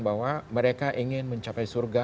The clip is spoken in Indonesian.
bahwa mereka ingin mencapai surga